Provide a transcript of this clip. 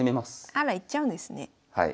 あら行っちゃうんですね。